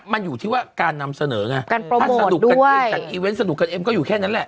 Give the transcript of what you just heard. มันอยู่ที่ว่าการนำเสนอไงการโปรโมทด้วยสนุกกันเองก็อยู่แค่นั้นแหละ